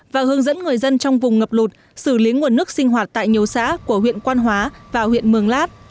và hướng dẫn người dân trong vùng ngập lụt xử lý nguồn nước sinh hoạt tại nhiều xã của huyện quan hóa và huyện mường lát